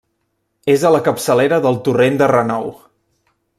És a la capçalera del torrent de Renou.